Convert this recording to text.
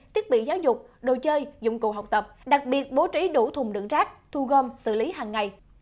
thiết bị giáo dục đồ chơi dụng cụ học tập đặc biệt bố trí đủ thùng đựng rác thu gom xử lý hàng ngày